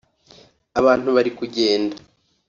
abantu bari kugenda